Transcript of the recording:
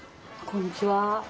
こんにちは。